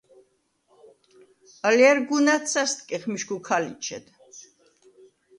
ალჲა̈რ გუნ ა̈დსა̈სტკეხ მიშგუ ქა ლიჩედ.